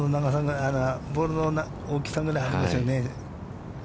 ボールの大きさぐらいありますよね。